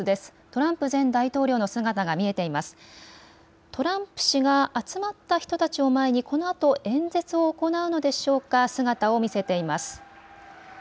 トランプ氏が集まった人たちを前に、このあと演説を行うのでしょうか、姿を見せています。